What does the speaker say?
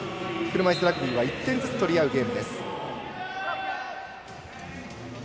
車いすラグビーは１点ずつ取り合うゲームです。